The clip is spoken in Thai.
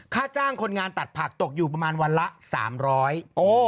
ค่าจ้างคนงานตัดผักตกอยู่ประมาณวันละ๓๐๐บาท